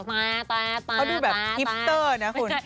เขาดูแบบทิปเตอร์นะคุณ